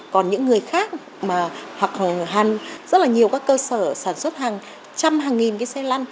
còn những người khác mà hoặc rất là nhiều các cơ sở sản xuất hàng trăm hàng nghìn cái xe lăn